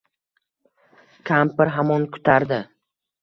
Kampir hamon kutardi